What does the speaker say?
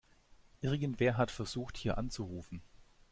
Irgendwer hat versucht, hier anzurufen.